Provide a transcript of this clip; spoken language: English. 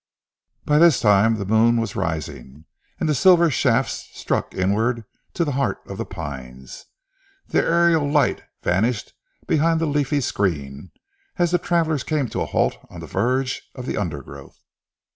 By this time the moon was rising, and silver shafts struck inward to the heart of the pines. The aerial light vanished behind the leafy screen, as the travellers came to a halt on the verge of the undergrowth.